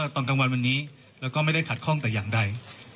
ตอนกลางวันวันนี้แล้วก็ไม่ได้ขัดข้องแต่อย่างใด